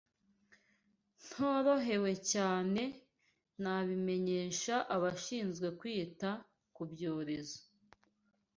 Ntorohewe cyane nabimenyesha abashinzwe kwita kubyorezo